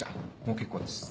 もう結構です。